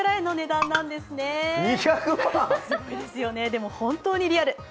でも、本当にリアル。